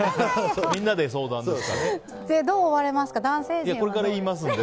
みんなで相談ですからね。